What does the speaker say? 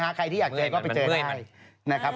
ใครที่อยากเจอก็ไปเจอได้นะครับ